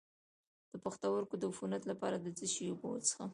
د پښتورګو د عفونت لپاره د څه شي اوبه وڅښم؟